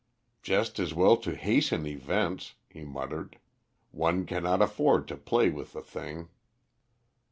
"Just as well to hasten events," he muttered. "One cannot afford to play with the thing."